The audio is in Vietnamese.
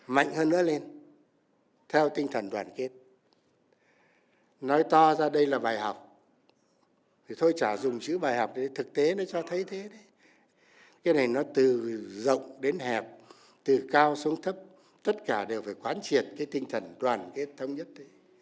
mạnh hơn nữa lên theo tinh thần đoàn kết nói to ra đây là bài học thì thôi chả dùng chữ bài học để thực tế nó cho thấy thế đấy cái này nó từ rộng đến hẹp từ cao xuống thấp tất cả đều phải quán triệt cái tinh thần đoàn kết thống nhất đấy